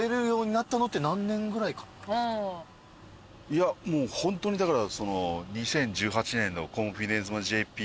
いやもうホントにだから。